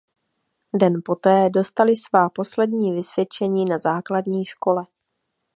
Den poté dostali svá poslední vysvědčení na základní škole.